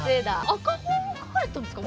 赤本を描かれてたんですか？